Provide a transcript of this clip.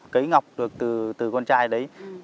cấy ngọc được từ con chai đấy